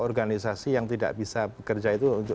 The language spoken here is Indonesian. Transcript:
organisasi yang tidak bisa bekerja itu untuk